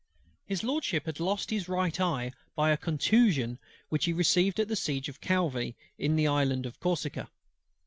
HIS LORDSHIP had lost his right eye by a contusion which he received at the siege of Calvi, in the island of Corsica.